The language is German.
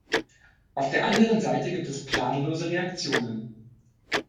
Auf der anderen Seite gibt es planlose Reaktionen.